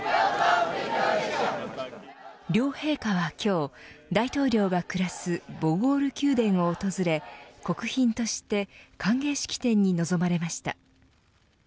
両陛下は今日大統領が暮らすボゴール宮殿を訪れ国賓として歓迎式典に臨まれました。